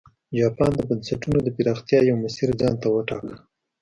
جاپان د بنسټونو د پراختیا یو مسیر ځان ته وټاکه.